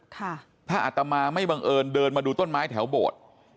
ถ้าอัตมาไม่บังเอิญเดินมาดูต้นไม้แถวโบสถ์